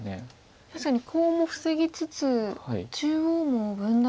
確かにコウも防ぎつつ中央も分断できそうですか。